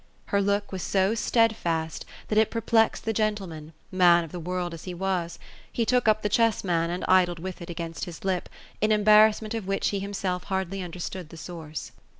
Her look was so steadfast that it perplexed the gentleman, man of the world as he was. He took up the chess man, and idled with it against his lip, in embarrassment of which he himself hardly understood the source.